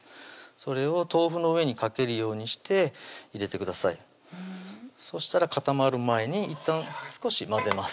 それを豆腐の上にかけるようにして入れてくださいそしたら固まる前にいったん少し混ぜます